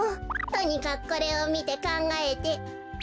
とにかくこれをみてかんがえて。